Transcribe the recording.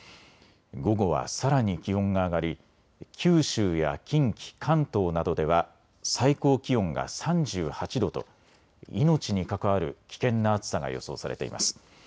午後はさらに気温が上がり九州や近畿、関東などでは最高気温が３８度と命に関わる危険な暑さが予想されています。